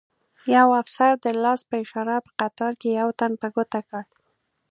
یو افسر د لاس په اشاره په قطار کې یو تن په ګوته کړ.